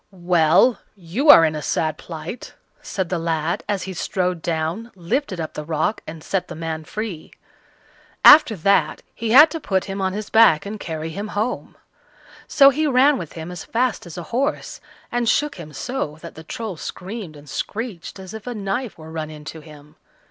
"Well! you are in a sad plight," said the lad, as he strode down, lifted up the rock, and set the man free. After that he had to put him on his back and carry him home; so he ran with him as fast as a horse, and shook him so that the Troll screamed and screeched as if a knife were run into him.